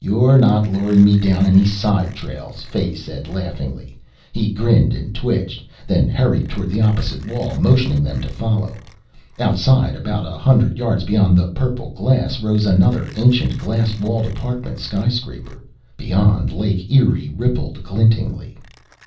"You're not luring me down any side trails," Fay said laughingly. He grinned and twitched, then hurried toward the opposite wall, motioning them to follow. Outside, about a hundred yards beyond the purple glass, rose another ancient glass walled apartment skyscraper. Beyond, Lake Erie rippled glintingly.